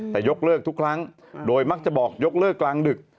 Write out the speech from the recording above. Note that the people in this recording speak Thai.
แต่ยกเลิกทุกครั้งโดยมักจะบอกยกเลิกกลางดึก